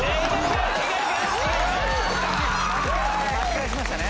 巻き返しましたね。